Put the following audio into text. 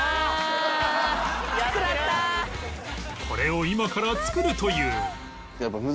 これを今から作るという